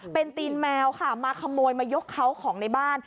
เป็นตีนแมวค่ะมาขโมยมายกเขาของในบ้าน